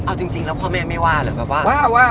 เอาจริงแล้วพ่อแม่ไม่ว่าหรือแบบว่า